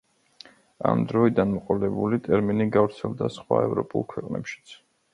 ამ დროიდან მოყოლებული ტერმინი გავრცელდა სხვა ევროპულ ქვეყნებშიც.